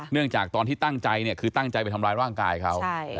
เรื่องจากตอนที่ตั้งใจเนี่ยคือตั้งใจไปทำร้ายร่างกายเขา